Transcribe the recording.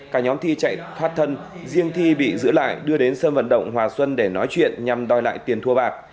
cả nhóm thi chạy thoát thân riêng thi bị giữ lại đưa đến sân vận động hòa xuân để nói chuyện nhằm đòi lại tiền thua bạc